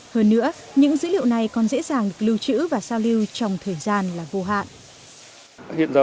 hơn nữa những dữ liệu này còn dễ dàng được lưu trữ và giao lưu trong thời gian là vô hạn